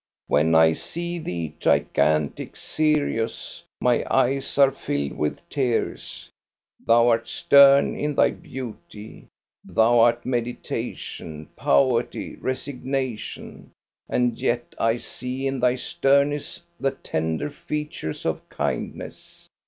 "When I see thee, gigantic, serious, my eyes are filled with tears. Thou art stern in thy beauty. Thou art meditation, poverty, resignation; and yet I see in thy sternness the tender features of kind ness.